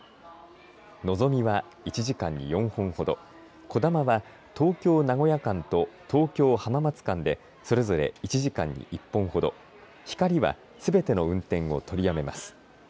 のぞみは１時間に４本ほどこだまは東京・名古屋間と東京・浜松間でそれぞれ１時間に１本ほどひかりはすべての運転を取りやめます。